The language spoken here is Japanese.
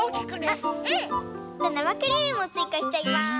なまクリームをついかしちゃいます。